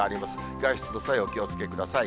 外出の際はお気をつけください。